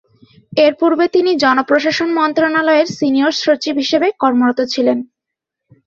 এর পূর্বে তিনি জনপ্রশাসন মন্ত্রণালয়ের সিনিয়র সচিব হিসেবে কর্মরত ছিলেন।